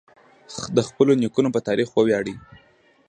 د خپلو نیکونو په تاریخ وویاړئ.